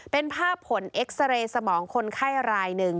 เป็นภาพผลเอ็กซาเรย์สมองคนไข้รายหนึ่ง